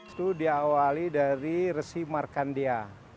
itu diawali dari resi markandia